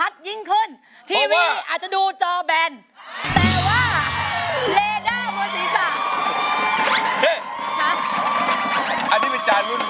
ร้องได้ให้ร้าน